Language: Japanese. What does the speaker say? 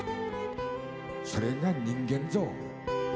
「それが人間ぞ」